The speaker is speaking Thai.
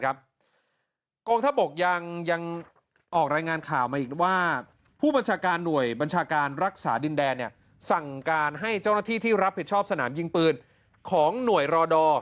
กองทัพบกยังออกรายงานข่าวมาอีกว่าผู้บัญชาการหน่วยบัญชาการรักษาดินแดนสั่งการให้เจ้าหน้าที่ที่รับผิดชอบสนามยิงปืนของหน่วยรอดอ